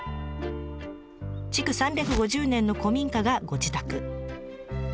築３５０年の古民家がご自宅。